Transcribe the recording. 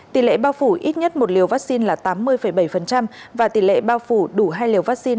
tỷ lệ bao phủ ít nhất một liều vaccine là tám mươi bảy và tỷ lệ bao phủ đủ hai liều vaccine